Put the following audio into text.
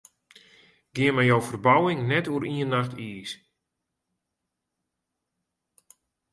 Gean mei jo ferbouwing net oer ien nacht iis.